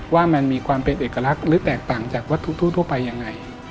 ว่ามันมีความเป็นเอกลักษณ์หรือแตกต่างจากวัตถุทั่วไปยังไง